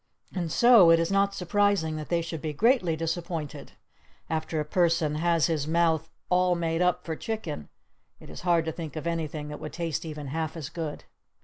And so it is not surprising that they should be greatly disappointed. After a person has his mouth all made up for chicken it is hard to think of anything that would taste even half as good.